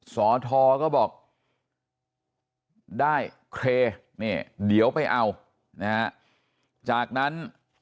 สทก็บอกได้เคนี่เดี๋ยวไปเอาจากนั้น